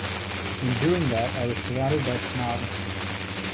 In doing that, I was surrounded by snobs'.